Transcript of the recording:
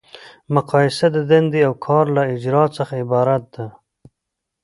مقایسه د دندې او کار له اجرا څخه عبارت ده.